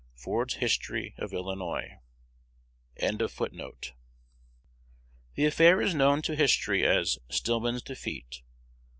Ford's History of Illinois. The affair is known to history as "Stillman's Defeat."